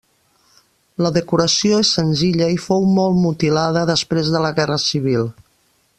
La decoració és senzilla i fou molt mutilada després de la Guerra Civil.